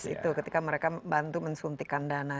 itu ketika mereka bantu mensuntikan dana